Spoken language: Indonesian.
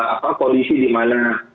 apa kondisi di mana